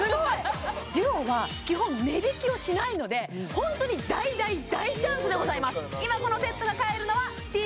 ＤＵＯは基本値引きをしないので本当に大大大チャンスでございます！